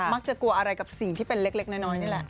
มักจะกลัวอะไรกับสิ่งที่เป็นเล็กน้อยนี่แหละ